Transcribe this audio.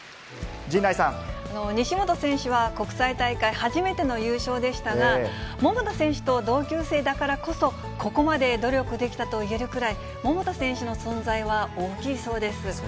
西本選手は国際大会初めての優勝でしたが、桃田選手と同級生だからこそ、ここまで努力できたといえるくらい、桃田選手の存在は大きいそうです。